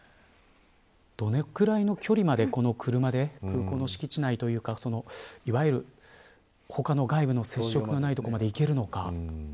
どのぐらいの距離までこの車で空港の敷地内というかいわゆる他の外部の接触がない所まで行けるのか。